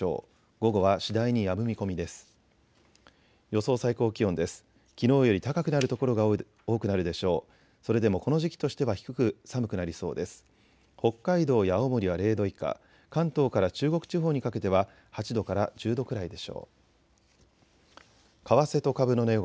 午後は次第にやむ見込みです。